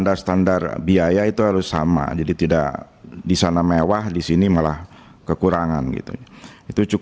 artinya apa mas menteri